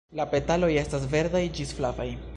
La petaloj estas verdaj ĝis flavaj.